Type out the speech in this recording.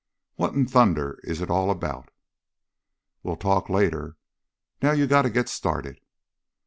What in thunder is it all about?" "We'll talk later. Now you got to get started."